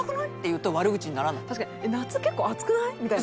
確かに「夏結構暑くない？」みたいな。